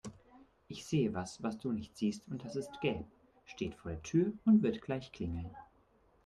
Ich sehe was, was du nicht siehst und das ist gelb, steht vor der Tür und wird gleich klingeln.